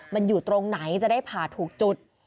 มันอยู่ตรงไหนจะได้ผ่าถูกจุด